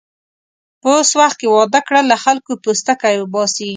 په اوس وخت کې واده کړل، له خلکو پوستکی اوباسي.